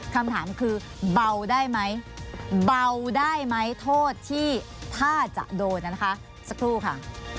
คำถามคือเบาได้ไหมเบาได้ไหมโทษที่ถ้าจะโดนนะคะสักครู่ค่ะ